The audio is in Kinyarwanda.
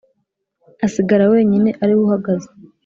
asigara wenyine ariwe uhagaze